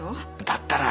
だったら。